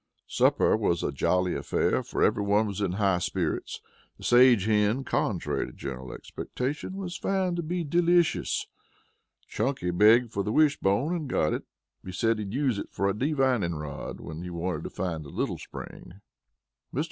Supper was a jolly affair, for everyone was in high spirits. The sage hen, contrary to general expectation, was found to be delicious. Chunky begged for the wish bone and got it. He said he'd use it for a divining rod when he wanted to find a little spring. "Mr.